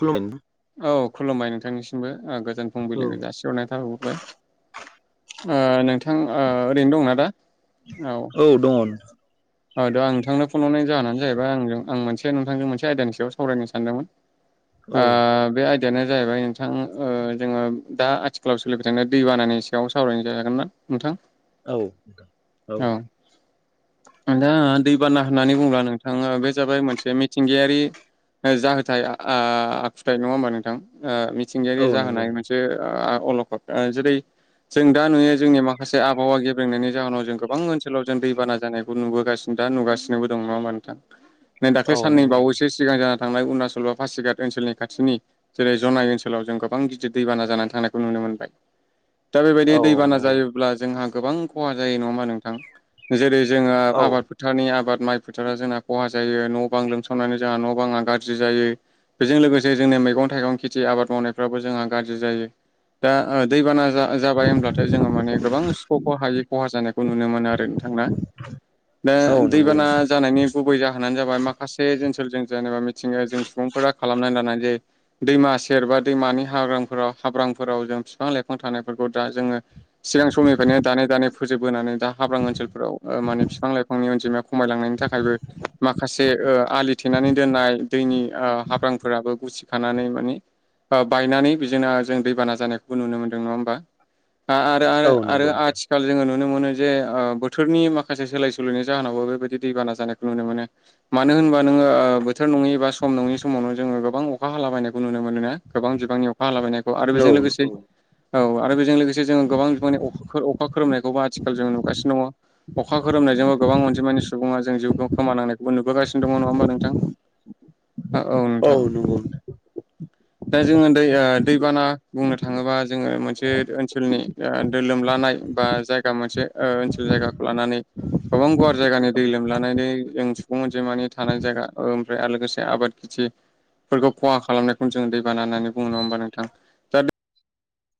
खुलुम औ खुलुमबाय नोंथांनिसिमबो। ओ गोजान औ फुंबिलिनि गासि [unintelligible] नाय थाहोहरबाय ओ नोंथां ओ ओरैनो दं ना दा? औ। औ दन। ओ दा आं नोंथांनो फन हरनायनि जाहोनानो जाहैबाय आंजों आं मोनसे नोंथांजों मोनसे आयदानि सायाव सावरायनो सानदोंमोन। औ ओ बे आयदायानो जाहैबाय नोंथां ओ जोङो दा आथिखालाव सोलिबाय थानाय दैबानानि सायाव सावरायनाय जागागोन ना नोंथां? औ नोंथां औ। आं दा दैबाना होननानै बुङोब्ला नोंथां ओ बे जाबाय मोनसे मिथिंगायारि ओ जाहोथाय आ आखुथाय नङा होमबा नोंथां? ओ मिथिंगायारि औ नंगौ जाहोनाय मो जे आ अलखद ओ जेरै जों दा नुयो जोंनि माखासे आबहावा गेब्रेंनायनि जाहोनाव जों गोबां ओनसोलाव जों दैबाना जानाय खौ नुबोगासिनो दा नुगासिनोबो दं नङा होमा नोंथां? नै औ दाख्लै साननै नंगौ बावैसो सिगां जाना थांनाय अरुणाचल बा पासिघाट ओनसोलनि खाथिनि जेरै जनाय ओनसोलाव जों गोबां गिदिर दैबाना जानानै थांनायखौ नुनो मोनबाय। दा बेबायदि औ दैबाना नंगौ जायोब्ला जोंहा गोबां खहा जायो। नङोमा नोंथां? जेरै जोङो औ आबादफो थारनि आबाद माइ फोथारा जोंहा खहा जायो न' बां लोमसावनानै जोंहा न' बाङा गारज्रि जायो। बेजों लोगोसे जोंनि मैगं थाइगं खेथि आबाद मावनायफ्राबो जोंहा गारज्रि जायो। दा ओ दैबाना जा जाबाय होमब्लाथाय जोङो माने गोबां सुखख'खौ हायि खहा जानायखौ नुनो मोनो आरो नोंथां। ना? बे औ नंगौ दैबाना जानायनि गुबै जाहोनानो जाबाय माखासे ओनसोलजों जेनेबा मिथिङो जों सुबुंफोरा खालामनानै लानाय जे दैमा सेर बा दैमानि हाग्रांफोराव हाब्रांफोराव जों बिफां लाइफां थानायफोरखौ दा जोङो सिगां समनिफ्रायनो दानै दानै फोजोब बोनानै दा हाब्रां ओनसोलफोराव ओ माने फिफां लाइफांनि अनजिमाया खमायलांनायनि थाखायबो माखासे ओ आलि थेनानै दोननाय दैनि ओ हाब्रांफोराबो गिसि खानानै माने ओ बायनानै बेजोंना जों दैबाना जानायखौबो नुनो मोनदों नङा ओमबा? आ आरो आरो औ आरो नंगौ आथिखाल जोङो नुनो मोनो जे ओ बोथोरनि माखासे खासे सोलाय सोलनि जाहोनावबो बेबायदि दैबाना जानायखौ नुनो मोनो। मानो होनबा नोङो ओ बोथोर नङै एबा सम नङि समावनो जोङो गोबां अखा हाला बायनायखौ नुनो मोनो ना गोबां बिबांनि अखा हाला बायनायखौ आरो बेजों लोगोसे नोंथां औ आरो बेजों लोगोसे जोङो गोबां बिबांनि अखा खोर अखा खोरोमनायखौबो आथिखाल जों नुगासिनो दङ। अखा खोरोमनायजोंबो गोबां अनजिमानि सुबुङा जों जिउखौ खोमानांनायखौबो नुबोगासिनो दङ नङा ओमबा नोंथां? ओ औ नोंथां। दा जोङो दै दैबाना बुंनो थाङोबा जोङो मोनसे ओनसोलनि ओ लोमलानाय बा जायगा मोनसे ओ ओनसोल जायगाखौ लानानै गोबां गुवार जायगानि दै लोमलानायनै जों सुबुं अनजिमानि थानाय जायगा ओमफ्राय आरो लोगोसे आबाद बिदि फोरखौ खहा खालामनायखौनो जों दैबाना होननानै बुङो नङा ओमबा नोंथां दा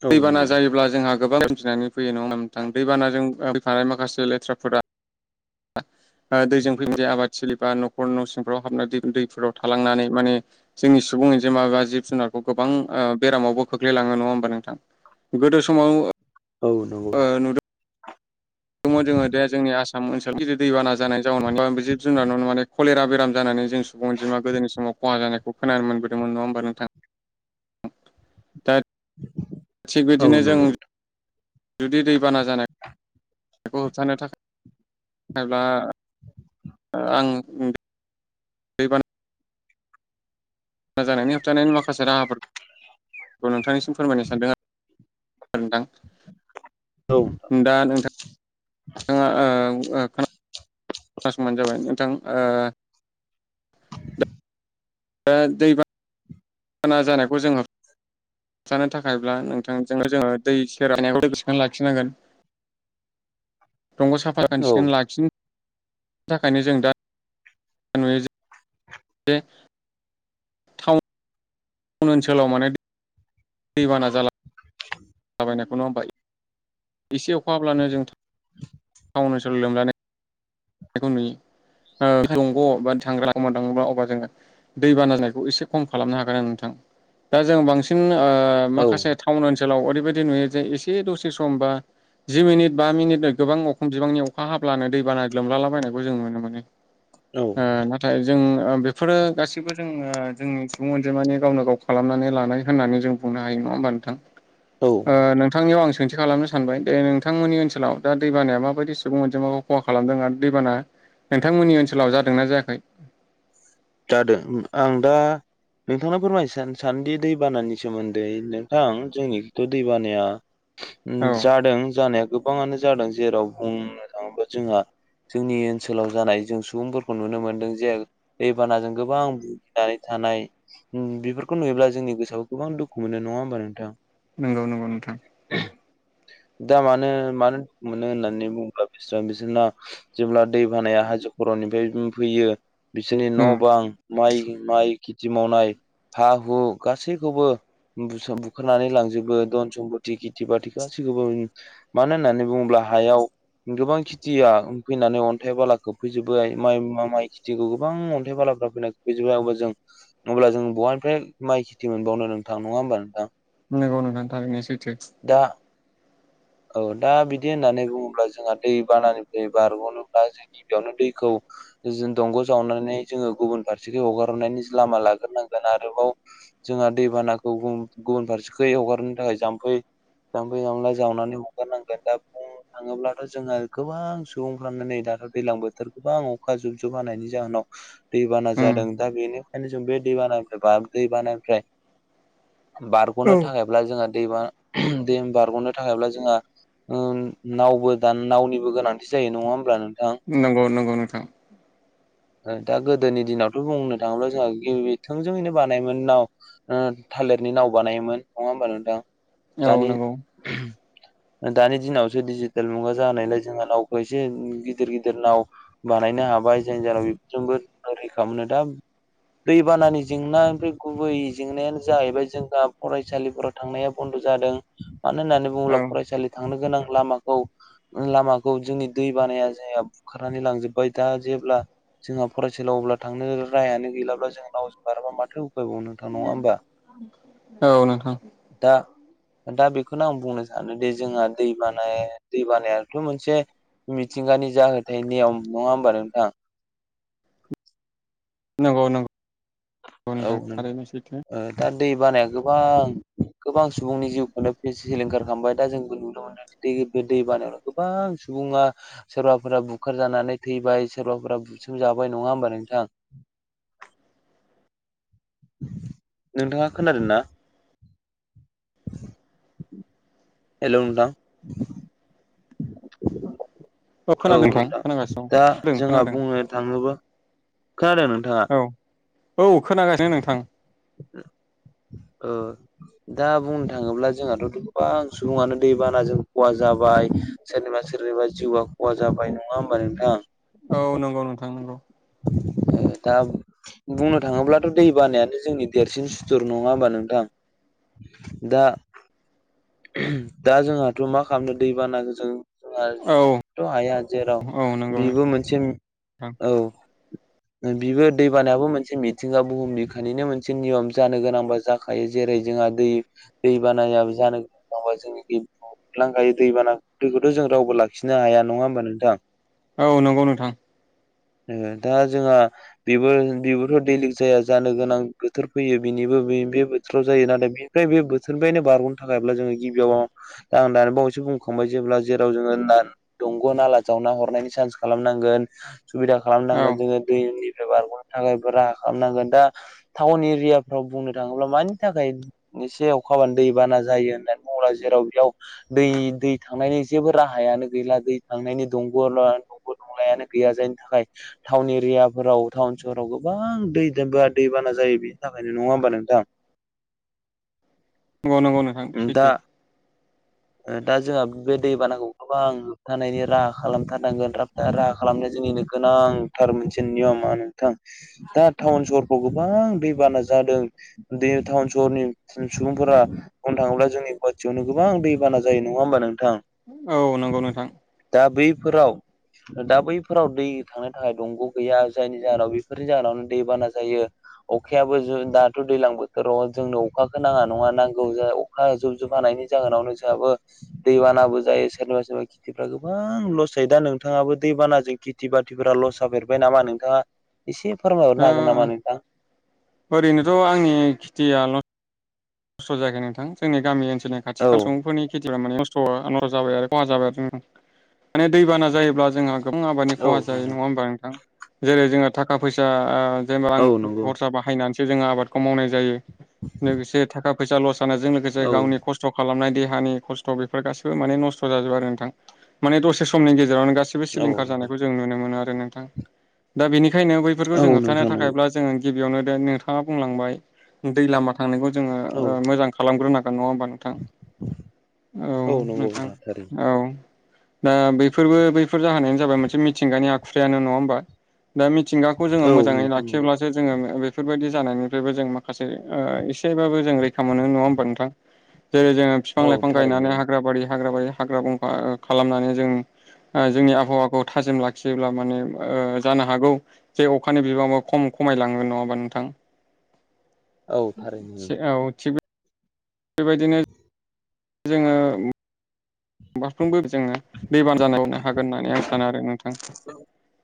औ दैबाना नंगौ जायोब्ला जोंहा गोबां [unintelligible] सोमजिनानै फैयो नङा ओमबा नोंथां दैबानाजों फैफानाय माखासे लेथ्राफोरा ओ दैजों फैफानाय जे आबाद थिलिबा नखर न' सिंफ्राव हाबनानै दै दैफोराव थालांनानै माने जोंनि सुबुं अनजिमा बा जिब जुनारखौ गोबां ओ बेरामावबो खोख्लैलाङो नङा ओमबा नोंथां? गोदो समाव औ नंगौ नोंथां। दङ जोङो दे जोंनि आसाम ओनसोलाव गिदिर दैबाना जानाय जाउनाव माने जिब जुनार न' न'नो माने कलेरा बेराम जानानै जों [unintelligible] सुबुं अनजिमाखो गोदोनि समाव खहा जानायखौ‌ खोनानो मोनबोदों नङा ओमबा नोंथां? दा थिग बिदिनो औ जों जुदि दैबाना जानायखौ होबथानो थाखाय एबा आं दैबाना जानायनि होबथानायनि माखासे राहाफोरखौ नोंथांनिसिम फोरमायनो सानदों आरो। [unintelligible] [unintelligible] नोंथां औ दा नोंथां नोंथाङा ओ खोना खोनासंबानो जाबाय नोंथां ओ दा दैबाना जानायखौ जों [unintelligible] होबथानो थाखायब्ला नोंथांजोंनो जोङो दै सेर बायनायखौ थिखोनानै लाखिनांगोन [unintelligible] दंग' साखोन सिखोन लाखिन [unintelligible] थाखायनो जों दा नुयो जे दे तावन ओनसोलाव माने दैबाना जाला बायनायखौ नङा ओमबा एसे अखाब्लानो जों टाउन ओनसोलाव लोमजानाय खौ नुयो ओ दग' बा थांग्रा दाङोबा अब्ला जोङो [unintelligible] दैबाना जानायखौ एसे खम खालामनो हागोन नोंथां दा जों बांसिन ओ औ माखासे टाउन ओनसोलाव ओरैबायदि नुयो जे एसे दसे समबा जि मिनिट बा मिनिट गोबां अखम बिबांनि अखा हाब्लानो दैबाना लोमलालाबायनायखौ जों नुनो मोनो ओ औ नोंथां [unintelligible] नाथाय जों बेफोरो गासैबो जों जोंनि सुबुं अनजिमानि गावनो गाव खालामनानै लानाय होननानै जों बुंनो हायो नङा ओमबा नोंथां? औ ओ नोंथांनियाव आं सोंथि खालामनो सानबाय दे नोंथांमोननि ओनसोलाव दा दैबानाया माबायदि सुबुं मोनजिमाखौ खहा खालामदों आरो दैबाना नोंथांमोननि ओनसोलाव जादोंना जायाखै? जादों आं दा नोंथांनो फोरमाय सानोदि दैबानानि सोमोन्दै नोंथां। जोंनिथ' दै बानाया औ जादों जानाया गोबाङानो जादों जेराव बुंनो थाङोबा जोंहा जोंनि ओनसोलाव जानाय जों सुबुंफोरखौ नुनो मोनदों जे दैबानाजों गोबां भुगिनानै थानाय बेफोरखौ नुयोब्ला जोंनि गोसोआव गोबां दुखु मोनो नङा होमबा नोंथां। नंगौ नंगौ नोंथां। दा मानो मानो मोनो होननानै बुङोब्ला बिस बिसोरना जेब्ला दै बानाया हाजो खर'निफ्राय फैयो। बिसोरनि न' उम बां माइ माइ खेथि मावनाय हा हु गासैखौबो बोखारनानै लांजोबो धन सम्पति खेथि बाथि गासैखौबो मानो होननानै बुङोब्ला हायाव गोबां खेथिया फैनानै अन्थाइ बालाखौ फैजोबबाय माइ माइ खेथिखौ गोबां अन्थाइ बालाफ्रा फैना बिदि जों अब्ला जों बहानिफ्राय माइ खेथि मोनबावनो नोंथां नङा होमबा नोंथां। नंगौ नोंथां थारैनो सैथो। दा औ दा बिदि होननानै बुङोब्ला जोंहा दै बानानिफ्राय बारग'नोब्ला जों गिबियावनो दैखौ जों दंग जावनानै जोङो गुबुन फारसेखौ हगार हरनायनि लामा लाग्रोनांगोन आरोबाव जोंहा दैबानाखौ गुबुन फारसे हगारनो थाखाय जाम्फै जामफै जामला जावनानै हगारनांगोन दा बुं थाङोब्लाथ' जों गोबां सुबुंफ्रानो नै दाथ' दैज्लां बोथोर गोबां अखा जुब जुब हानायनि जाहोनाव दैबाना उम जादों दा बेनिखायनो जों बे दैबानिफ्राय बा दैबानानिफ्राय बारग'नो औ थाखायब्ला जोंहा दैमा दै बारग'नो थाखायब्ला जोंहा नावबो दान नावनिबो गोनांथि जायो नङा होमब्ला नोंथां। नंगौ नांगौ नोंथां। दा गोदोनि दिनावथ' बुंनो थाङोब्ला जोंहा गिबि थोंजोङैनो बानायमोननाव। थालिरनि नाव बानायोमोन नङा होमबा नोंथां। औ दानि [inaudible] दानि दिनावसो डिजिटेल मुगा जानायलाय जोंहा नावखौ एसे गिदिर गिदिर नाव बानायनो हाबाय जायनि जाहाव बेफोरजोंबो रैखा मोनो दा दैबानानि जेंना ओमफ्राय गुबै जेंनायानो जाहैबाय जोंहा फरायसालिफोराव थांनाया बन्द' जादों मानो होननानै औ बुङोब्ला फरायसालि थांनो गोनां लामाखौ लामाखौ जोंनि दै बानाया ज बुखारनानै लांजोबबाय दा जेब्ला जोंहा फरायसालियाव अब्ला थांनो रायानो गैलाब्ला जों नावजों बाराबा माथो उफायबाव नोंथां नङा होनबा। औ नोंथां। दा दा बेखौनो आं बुंनो सानोदि जोंहा दै बानाय दै बानायाथ' मोनसे मिथिंगानि जाहोथाय नियम नङा होमबा नोंथां। नंगौ नंगौ। औ नोंथां थारैनो सैथो नोंथां दा दै बानाया गोबां गोबां सुबुंनि जिउखौनो सिलिंखार खालामबाय दा जोंबो नुनो मोनदों दै बे दै बानायावनो गोबां सुबुङा सोरबाफोरा बुखार जानानै थैबाय सोरबाफोरा बुसोमजाबाय नङा होमबा नोंथां। नोंथाङा खोनादों ना? हेल नोंथां। खोनादों औ नोंथां खोनागासिनो दा दं जोंहा खोनादों बुंनो थाङोबा। खोनादों नोंथाङा? औ खोनादों औ खोनागासिनो नोंथां। औ दा बुंनो थाङोब्ला जोंहाथ'' गोबां सुबुङानो दैबानाजों खहा जाबाय सोरनिबा सोरनिबा जिउआ खहा जाबाय नङा होमबा नोंथां औ नंगौ नोंथां नंगौ ए दा बुंनो थाङोब्लाथ' दै बानायानो जोंनि देरसिन सुथुर नङा होमबा नोंथां दा दा जोंहाथ' मा खालामनो दैबानाखौ जों जोंहा औ जुजिनोथ' हाया जेराव औ नंगौ बेबो मोनसे नोंथां बिबो दैबानायाबो मोनसे मिथिंगा बुहुम बिखानिनो मोनसे नियम जानो गोनांबा जा खायो जेरै जोंहा दै दै बानायाबो जानो गोनां जोंनि लांखायो दैबाना दैखौथ' जों रावबो लाखिनो हाया नङा होमबा नोंथां औ नंगौ नोंथां जोङो दा जोंहा बिबो बिबोथ' दैलिग जाया जानो गोनां बोथोर फैयो बिनिबो बे बोथोराव जायो नाथाय बे ओमफ्राय बे बोथोरनिफ्रायनो बारग'नो थाखायब्ला जोङो गिबियाव दा आं दानि बावैसो बुंखांबाय जेब्ला जेराव जोङो होन दंग' नाला जावना हरनायनि चान्स खालामनांगोन सुबिदा औ खालामनांगोन जोङो दैनिफ्राय बारग'नो थाखायबो राहा खालामनांगोन दा टाउन एरियाफ्राव बुंनो थाङोब्ला मानि थाखाय एसे अखाबानो दै बाना जों जायो होननानै बुङोब्ला जेराव बेयाव दै दै थांनायनि जेबो राहायानो गैला दै थांनायनि दंग' दंगल नंलायानो गैया जायनि थाखाय टाउन एरियाफोराव टाउन सहराव गोबां दैजोंबो दैबाना जायो बेनि थाखायनो नङा होमबा नोंथां औ औ नंगौ नोंथां दा सैथो दा जोंहा बे दैबानाखौ गोबां होबथानायनि राहा खालामथारनांगोन राहा राहा खालामनाया जोंनिनो गोनांथार मोनसे नियम आरो नोंथां दा टाउन सहरफ्राव गोबां दैबाना जादों दै टाउन सहरनि सुबुंफोरा बुंनो थाङोब्ला जोंनि गुवाहाटियावनो गोबां दै दैबाना जायो नङा होमबा नोंथां औ नंगौ नोंथां दा बैफोराव दा बैफोराव दै थांनो थाखाय दंग' गैया जायनि जाहोनाव बेफोरनि जाहोनावनो दैबाना जायो अखायाबो ज दाथ' दैज्लां बोथोराव जोंनो अखाखौ नाङा नङा नांगौ ज जुब जुब हानायनि जाहोनावनो जोंहाबो दैबानाबो जायो सोरनिबा सोरबा खेथिफ्रा गोबां लस जायो दा नोंथाङाबो दैबानाजों खेथि खेथि बाथिफोरा लस जाफेरबाय नामा नोंथाङा एसे दा फोरमायहरनो हागोन नामा नोंथाङा ओरैनोथ' आंनि खेथियाल' नस्थ' जायाखै नोंथां जोंनि गामि ओनसोलनि खाथि औ खाला सुबुंफोरनि जा माने नस्थ' जाबाय आरो खहा जाबाय आरो माने दैबाना जायोब्ला जोंहा गोबां आबादनि औ खहा जायो नोंथां नङा होमबा नोंथां जेरै जोङो थाखा फैसा जाय रां औ नंगौ खरसा बाहायनानैसो जोङो आबादखौ मावनाय जायो लोगोसे थाखा फैसा लस जानाय जों लोगोसे औ गावनि खस्थ नस्थ' खालामनाय देहानि खस्थ' बेफोर गाैबो माने नस्थ' जाजोबो आरो नोंथां माने दसे समनि गेजेरावनो गासिबो औ सिलिंखार नोंथां जानायखौ जों नुनो मोनो आरो नोंथां दा बेनिखायनो बैफोरखौ औ जों होबथानो नोंथां नंगौ थाखायब्ला जोङो गिबियावनो दे नोंथाङा बुंलांबाय दै लामा थांनायखौ जोङो औ मोजां खालामग्रो नांगोन नङा होमबा नोंथां औ नंगौ नोंथां थारैनो ओ बैफोरबो बैफोर जाहोनानो जाबाय मोनसे मिथिंगानि आखुुथायानो नङा होमबा दा मिथिंगाखौ जोङो औ मोजाङै नोंथां नंगौ लाखिब्लासो जोङो बेफोरबायदि जानायनिफ्रायबो जों माखासे बाबो जों रैखा मोनो नङा होमबा नोंथां। जेरै जोङो बिफां औ लाइफां थारैनो गायनानै हाग्रा बारि हाग्रा बारि हाग्रा बंखा खालामनानै जों जोंनि आबहावाखौ थाजिम लाखियोब्ला माने ओ जानो हागौ जे अखानि बिबाङा खम खमायलाङो नङा होमबा नोंथां। औ थारैनो औ थिग बेबायदिनो जोङो फारफ्रोमबो जोङनो दैबान जानायावनो हागोन होननानै आं सानो आरो नोंथां।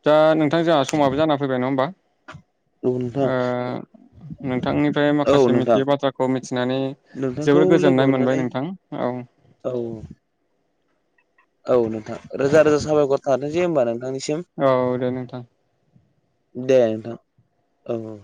दा नोंथां जोंहा समाबो जाना फैबाय नङा होनबा। अ नोंथां। नोंथांनिफ्राय औ माखासे नोंथां मिथियै बाथ्राखौ मिथिनानै नोंथांखौ जोबोद लोगो गोजोननाय मोननानै मोनबाय नोंथां। औ। औ। औ नोंथां रोजा रोजा साबायखर थाथसै होमबा नोंथांनिसिम। औ दे नोंथां। दे नोंथां औ औ।